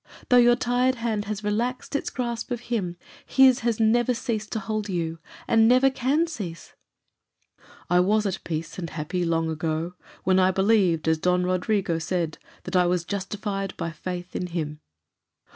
Though your tired hand has relaxed its grasp of him, his has never ceased to hold you, and never can cease." "I was at peace and happy long ago, when I believed, as Don Rodrigo said, that I was justified by faith in him."